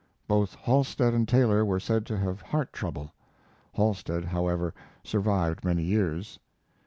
Both Halstead and Taylor were said to have heart trouble. Halstead, however, survived many years.